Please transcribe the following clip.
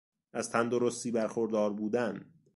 از تندرستی برخوردار بودن